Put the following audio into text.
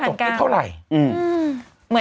พรุ่งหลังนี้จะตกได้เท่าไหร่อืม